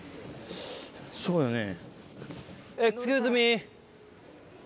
そうよね。